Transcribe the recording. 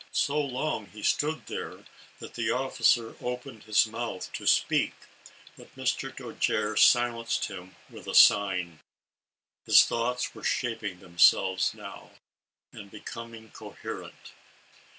So long he stood there, that the officer opened his mouth to speak, but Mr. Dojere silenced him with a sign. His thoughts were shaping themselves now, and becoming coherent.